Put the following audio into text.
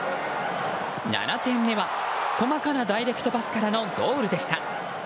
７点目は細かなダイレクトパスからのゴールでした。